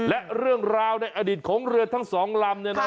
และเรื่องราวในอดีตของเรือทั้งสองลำเนี่ยนะ